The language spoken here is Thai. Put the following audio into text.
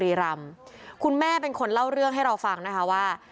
รำคุณแม่เป็นคนเล่าเรื่องให้เราฟังนะคะว่า